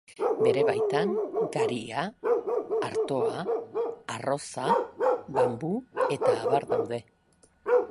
Bere baitan garia, artoa, arroza, banbu eta abar daude.